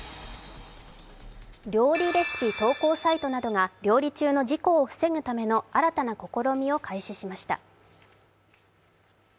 料理レシピ投稿サイトなどが料理中の事故を防ぐための新たな試みを開始しました。